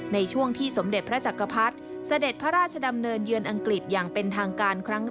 ในช่วงที่สมเด็จพระจักรพรรดิเสด็จพระราชดำเนินเยือนอังกฤษอย่างเป็นทางการครั้ง